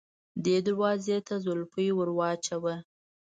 دې دروازې ته زولفی ور واچوه.